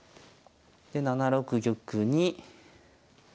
で７六玉に。